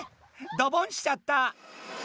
ドボンしちゃった。